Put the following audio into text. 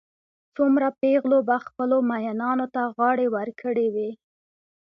څومره پېغلو به خپلو مئینانو ته غاړې ورکړې وي.